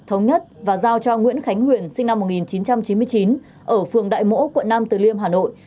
thống nhất và giao cho nguyễn khánh huyền sinh năm một nghìn chín trăm chín mươi chín ở phường đại mỗ quận nam từ liêm hà nội